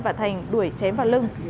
và thành đuổi chém vào lưng